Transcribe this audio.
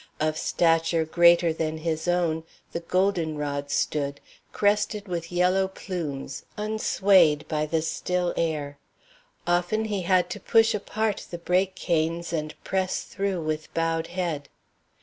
Of stature greater than his own the golden rod stood, crested with yellow plumes, unswayed by the still air. Often he had to push apart the brake canes and press through with bowed head.